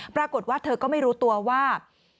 ปรากฏว่าเธอก็ไม่รู้ตัวว่า